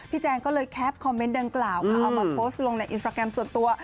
แจงก็เลยแคปคอมเมนต์ดังกล่าวค่ะเอามาโพสต์ลงในอินสตราแกรมส่วนตัว